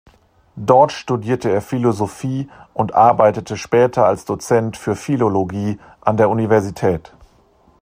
Dort studierte er Philosophie und arbeitete später als Dozent für Philologie an der Universität.